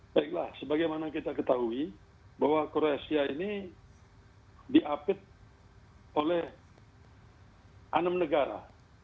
baiklah sebagaimana kita ketahui bahwa kroasia ini diapit oleh enam negara